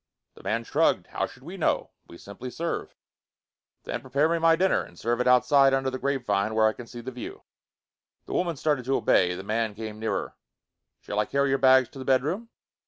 The man shrugged. "How should we know? We simply serve." "Then prepare me my dinner. And serve it outside, under the grapevine, where I can see the view." The woman started to obey. The man came nearer. "Shall I carry your bags to the bedroom?"